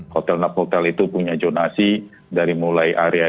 hotel not hotel itu punya jonasi dari mulai hari ke hari